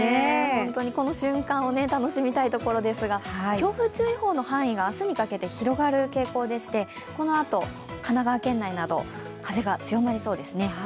この瞬間を楽しみたいところですが、強風注意報の範囲が明日にかけて広がる傾向でしてこのあと神奈川県内など風が強まりそうですね。